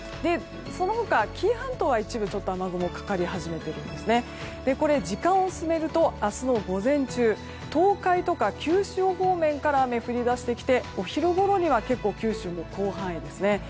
その他、紀伊半島は一部で雨雲がかかり始めているんですが時間を進めると明日の午前中東海とか九州方面から雨が降り出してきてお昼ごろには九州も広範囲ですね。